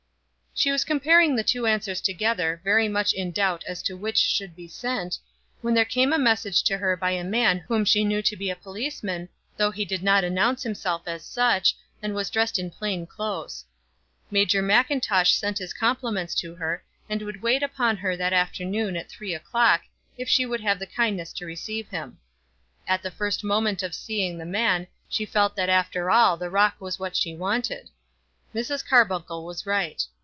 She was comparing the two answers together, very much in doubt as to which should be sent, when there came a message to her by a man whom she knew to be a policeman, though he did not announce himself as such, and was dressed in plain clothes. Major Mackintosh sent his compliments to her, and would wait upon her that afternoon at three o'clock, if she would have the kindness to receive him. At the first moment of seeing the man she felt that after all the rock was what she wanted. Mrs. Carbuncle was right.